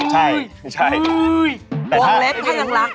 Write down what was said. โหแล้วว่าถ้ายังรักเนอะรู้สึกเด็ดเหรอ